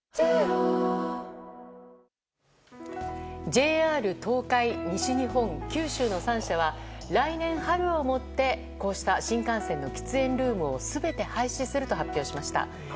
ＪＲ東海、西日本、九州の３社は来年春をもってこうした喫煙ルームを全て廃止すると発表しました。